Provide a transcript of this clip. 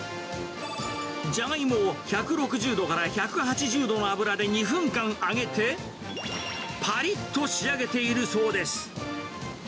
ジャガイモを１６０度から１８０度の油で２分間揚げて、ぱりっと仕上げているそうです。